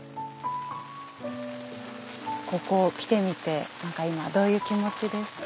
ここ来てみて何か今どういう気持ちですか？